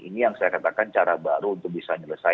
ini yang saya katakan cara baru untuk bisa menyelesaikan